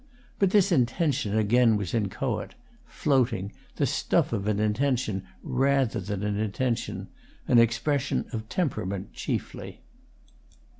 But this intention again was inchoate, floating, the stuff of an intention, rather than intention; an expression of temperament chiefly.